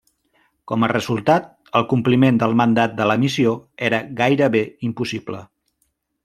Com a resultat, el compliment del mandat de la missió era gairebé impossible.